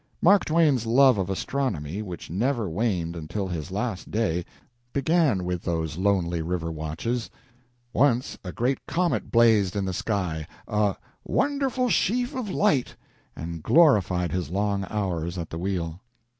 Mark Twain's love of astronomy, which never waned until his last day, began with those lonely river watches. Once a great comet blazed in the sky, a "wonderful sheaf of light," and glorified his long hours at the wheel.